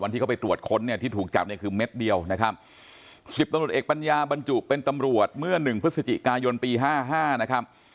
วันที่เข้าไปตรวจคนเนี่ยที่ถูกจับเนี่ยคือเม็ดเดียวนะครับ๑๒ตำรวจเอกปัญญาบรรจุเป็นตำรวจเมื่อ๑พฤติการยนต์ปี๕๕นะครับ